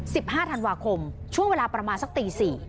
ห้าธันวาคมช่วงเวลาประมาณสักตีสี่